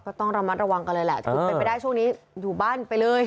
ก็ต้องระมัดระวังกันเลยแหละถ้าเกิดเป็นไปได้ช่วงนี้อยู่บ้านไปเลย